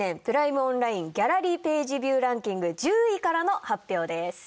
オンラインギャラリーページビューランキング１０位からの発表です。